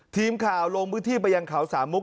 ทีมข่าวลงพื้นที่ไปยังเขาสามมุก